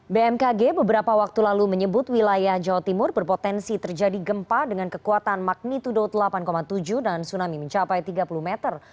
bmkg beberapa waktu lalu menyebut wilayah jawa timur berpotensi terjadi gempa dengan kekuatan magnitudo delapan tujuh dan tsunami mencapai tiga puluh meter